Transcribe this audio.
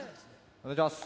お願いします。